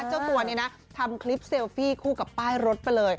เจ้าตัวนี้นะทำคลิปเซลฟี่คู่กับป้ายรถไปเลย